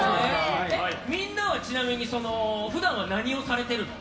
みんなはちなみに普段は何をされてるの？